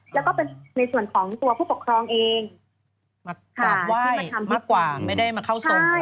แล้วก็เป็นในส่วนของตัวผู้ปกครองเองมากราบไหว้มากกว่าไม่ได้มาเข้าทรง